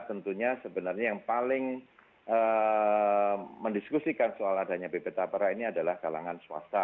tentunya sebenarnya yang paling mendiskusikan soal adanya bp tapra ini adalah kalangan swasta